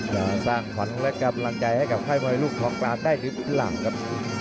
จะสร้างฝันและกำลังใจให้กับให้ลูกของกลางได้รึเปล่าครับ